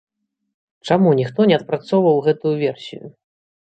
Чаму ніхто не адпрацоўваў гэтую версію?